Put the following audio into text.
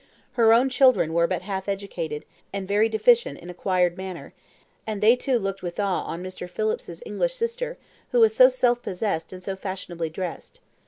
Her own children were but half educated, and very deficient in acquired manner; and they too looked with awe on Mr. Phillips's English sister, who was so self possessed and so fashionably dressed.